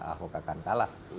ahok akan kalah